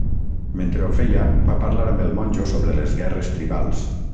Mentre ho feia, va parlar amb el monjo sobre les guerres tribals.